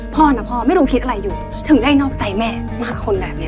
นะพ่อไม่รู้คิดอะไรอยู่ถึงได้นอกใจแม่มาหาคนแบบนี้